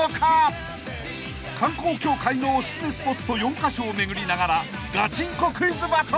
［観光協会のお薦めスポット４カ所を巡りながらガチンコクイズバトル］